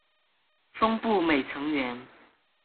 峰步美成员。